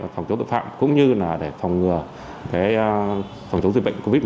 phòng chống tội phạm cũng như phòng ngừa phòng chống dịch bệnh covid một mươi chín